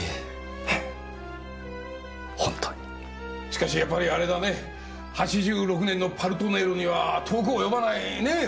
しかしやっぱりあれだね８６年の「パルトネール」には遠く及ばないねぇ